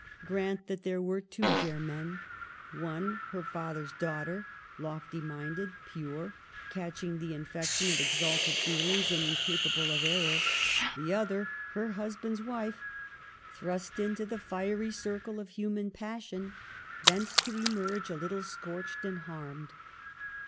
Grant that there were two Germaines — one her father's daughter, lofty minded, pure, catching the infection of exalted feelings, and incapable of error ; the other her husband's wife, thrust into the fiery circle of human passion, thence to emerge a little scorched and harmed.